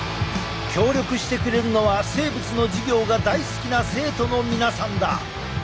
協力してくれるのは生物の授業が大好きな生徒の皆さんだ。